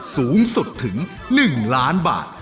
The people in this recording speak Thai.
สูงสุดถึง๑ล้านบาท